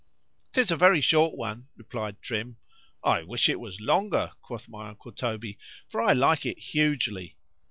——'Tis a very short one, replied Trim.—I wish it was longer, quoth my uncle Toby, for I like it hugely.